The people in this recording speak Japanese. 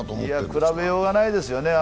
比べようがないですよね。